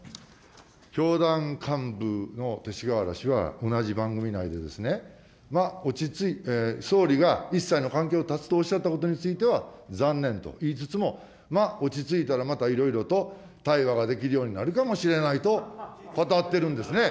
教団幹部の勅使河原氏は、同じ番組内でですね、総理が一切の関係を断つとおっしゃったことについては、残念と言いつつも、まあ、落ち着いたら、またいろいろと対話ができるようになるかもしれないと語ってるんですね。